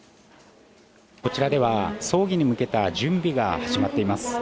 こちらでは葬儀に向けた準備が始まっています。